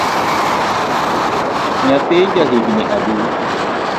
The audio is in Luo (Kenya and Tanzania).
Nyathi ja higni adi?